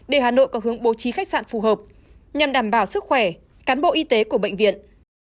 để hà nội có hướng bố trí khách sạn phù hợp nhằm đảm bảo sức khỏe cán bộ y tế của bệnh viện